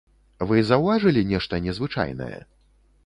Вы заўважылі нешта незвычайнае?